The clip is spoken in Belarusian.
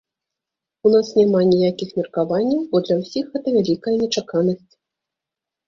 У нас няма ніякіх меркаванняў, бо для ўсіх гэта вялікая нечаканасць.